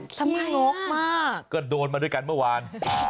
ทำงกมากก็โดนมาด้วยกันเมื่อวาน